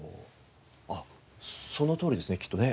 そのとおりですねきっとね。